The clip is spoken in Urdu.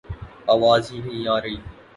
آواز ہی نہیں آرہی